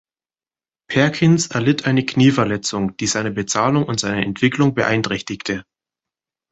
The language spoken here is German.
Perkins erlitt eine Knieverletzung, die seine Bezahlung und seine Entwicklung beeinträchtigte.